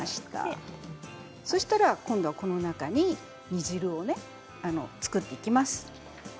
そしたら今度はこの中に煮汁をね、作っていきます。